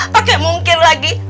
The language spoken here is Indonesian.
pake mungkir lagi